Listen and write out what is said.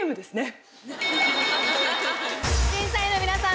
審査員の皆さん